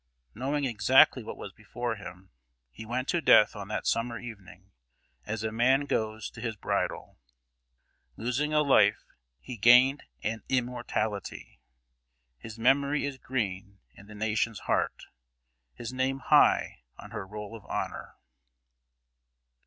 Knowing exactly what was before him, he went to death on that summer evening "as a man goes to his bridal." Losing a life, he gained an immortality. His memory is green in the nation's heart, his name high on her roll of honor.